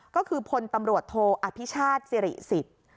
ก็คือพลตำรวจโทอภิชาติสิริสิทธิ์